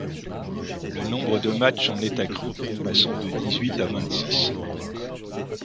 Le nombre de matches en est accru, passant de dix-huit à vingt-six.